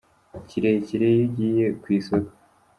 kirekire, iyo ugiye ku isoko.